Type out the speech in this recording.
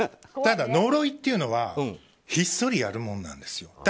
ただ、呪いっていうのはひっそりやるもんなんですよ。